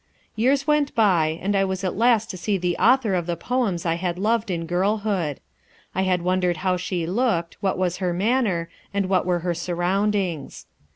Years went by, and I was at last to see the author of the poems I had loved in girlhood. I had wondered how she looked, what was her manner, and what were her surroundings.